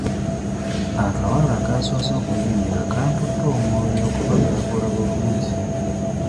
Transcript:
Akawala akasoose okuyingira kantutte omwoyo kuba kaakula bulungi.